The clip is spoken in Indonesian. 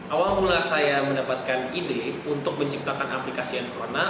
awal mula saya mendapatkan ide untuk menciptakan aplikasi n corona